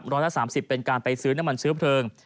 ร้อยละ๓๐เป็นการไปซื้อน้ำมันเชื้อเพลิง